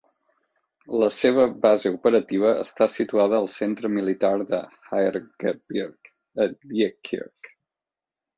La seva base operativa està situada al Centre Militar de Haerebierg, a Diekirch.